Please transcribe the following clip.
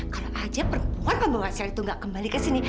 kalau aja perempuan pembawa hasil itu gak kembali ke sini